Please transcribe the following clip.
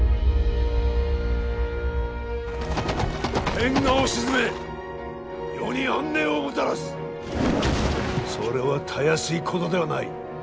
天下を鎮め世に安寧をもたらすそれはたやすいことではない。